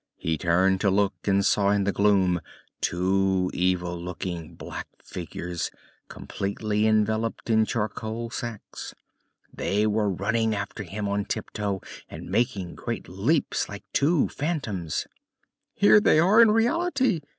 He turned to look and saw in the gloom two evil looking black figures completely enveloped in charcoal sacks. They were running after him on tiptoe and making great leaps like two phantoms. "Here they are in reality!"